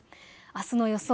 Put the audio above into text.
あすの予想